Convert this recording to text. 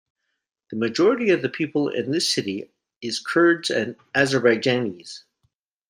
The majority of the people in this city is Kurds and Azerbaijanis.